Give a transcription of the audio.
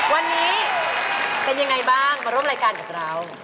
วันนี้เป็นยังไงบ้างมาร่วมรายการกับเรา